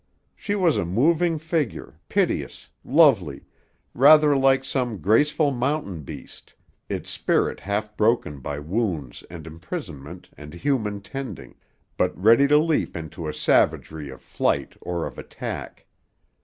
She was a moving figure, piteous, lovely, rather like some graceful mountain beast, its spirit half broken by wounds and imprisonment and human tending, but ready to leap into a savagery of flight or of attack.